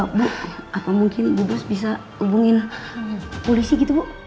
bu apa mungkin bu bas bisa hubungin polisi gitu bu